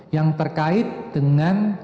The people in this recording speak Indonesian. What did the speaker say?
yang berkait dengan